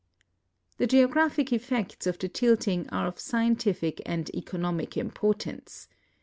The geographic effects of the tilting are of scientific and eco nomic importance.